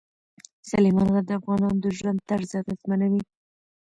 سلیمان غر د افغانانو د ژوند طرز اغېزمنوي.